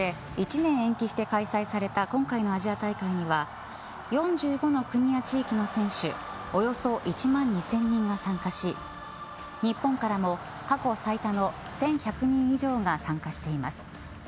新型コロナで１年延期して開催された今回のアジア大会には４５の国や地域の選手およそ１万２０００人が参加し日本からも過去最多の１１００人以上が参加しています。